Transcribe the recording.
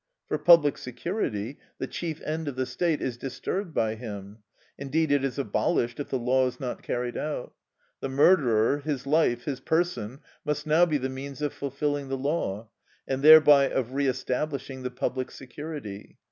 For public security, the chief end of the state, is disturbed by him; indeed it is abolished if the law is not carried out. The murderer, his life, his person, must now be the means of fulfilling the law, and thereby of re establishing the public security.